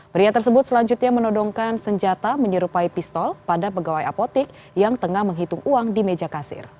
pria tersebut selanjutnya menodongkan senjata menyerupai pistol pada pegawai apotik yang tengah menghitung uang di meja kasir